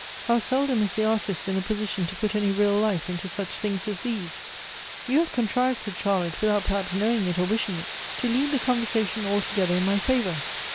How seldom is the artist in a position to put any real life into such things as these !" "You have contrived," said Charlotte, "without per haps knowing it or wishing it, to lead the conversation altogether in my favor.